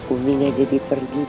ummi gak jadi pergi